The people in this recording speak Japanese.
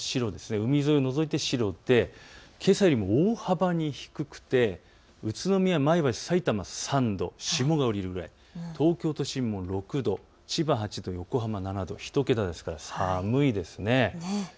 海沿いを除いて白でけさより大幅に低くて宇都宮、前橋、さいたま３度、霜が降りるくらい、東京都心も６度、千葉８度、横浜７度、１桁ですから寒いですね。